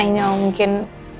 saya tahu mungkin